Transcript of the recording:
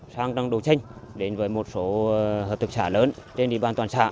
sang trồng đậu xanh đến với một số hợp thực xã lớn trên địa bàn toàn xã